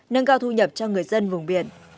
nâng cao thu nhập cho người dân vùng biển